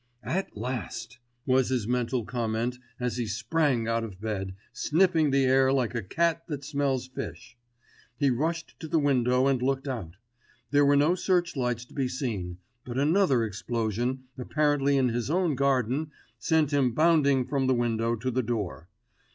"At last!" was his mental comment as he sprang out of bed, sniffing the air like a cat that smells fish. He rushed to the window and looked out. There were no search lights to be seen; but another explosion, apparently in his own garden sent him bounding from the window to the door.